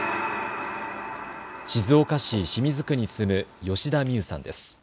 静岡市清水区に住む吉田美優さんです。